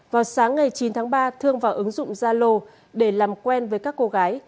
vào sáng ngày chín tháng ba thương vào ứng dụng zalo để làm quen với các cô gái